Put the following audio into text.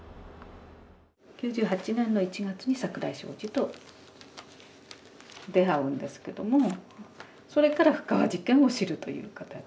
９８年の１月に桜井昌司と出会うんですけどもそれから布川事件を知るという形で逆なんです私は。